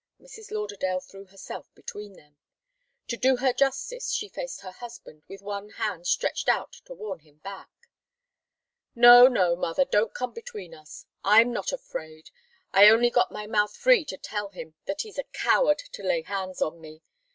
Mrs. Lauderdale threw herself between them. To do her justice, she faced her husband, with one hand stretched out to warn him back. "No, no, mother! don't come between us. I'm not afraid I only got my mouth free to tell him that he's a coward to lay his hands on me.